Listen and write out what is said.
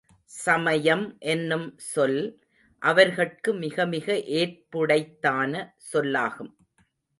சமயம் என்னும் சொல் அவர்கட்கு மிகமிக ஏற்புடைத்தான சொல்லாகும்.